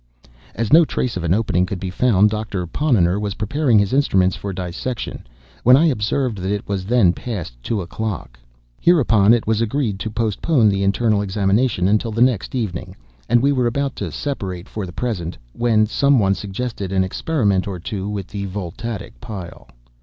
As no trace of an opening could be found, Doctor Ponnonner was preparing his instruments for dissection, when I observed that it was then past two o'clock. Hereupon it was agreed to postpone the internal examination until the next evening; and we were about to separate for the present, when some one suggested an experiment or two with the Voltaic pile.